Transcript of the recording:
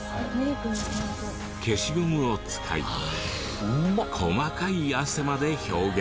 消しゴムを使い細かい汗まで表現。